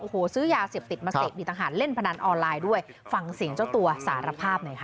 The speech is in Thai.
โอ้โหซื้อยาเสพติดมาเสพมีทหารเล่นพนันออนไลน์ด้วยฟังเสียงเจ้าตัวสารภาพหน่อยค่ะ